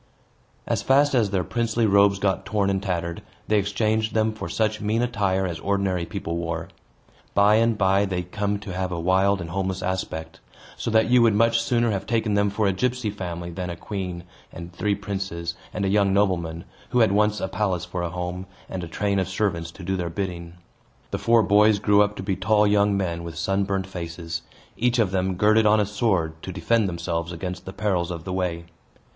As fast as their princely robes got torn and tattered, they exchanged them for such mean attire as ordinary people wore. By and by, they come to have a wild and homeless aspect; so that you would much sooner have taken them for a gypsy family than a queen and three princes, and a young nobleman, who had once a palace for a home, and a train of servants to do their bidding. The four boys grew up to be tall young men, with sunburnt faces. Each of them girded on a sword, to defend themselves against the perils of the way.